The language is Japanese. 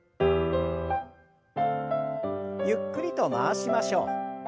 ゆっくりと回しましょう。